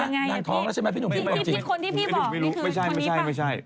นางท้องแล้วใช่ไหมพี่หนุ่มพี่บอกจริงนี่คือคนนี้ปะไม่ใช่